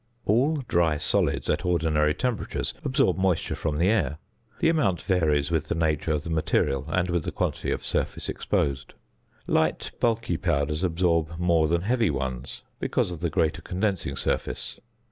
All dry solids at ordinary temperatures absorb moisture from the air. The amount varies with the nature of the material and with the quantity of surface exposed. Light bulky powders absorb more than heavy ones, because of the greater condensing surface.